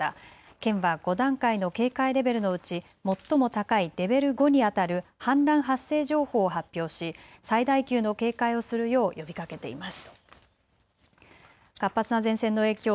県は５段階の警戒レベルのうち最も高いレベル５にあたる氾濫発生情報を発表し最大級の警戒をするよう呼びかけています。